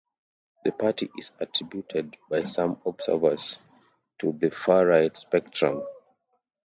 The party is attributed by some observers to the far-right spectrum.